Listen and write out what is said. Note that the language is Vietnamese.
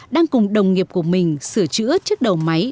đang cùng đồng nghiệp của mình sửa chữa trước đầu máy